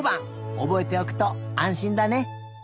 おぼえておくとあんしんだね。